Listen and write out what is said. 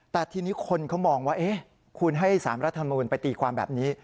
แต่ทีนี้คนเขามองว่าคุณให้๓รัฐมนูลไปตีความแบบนี้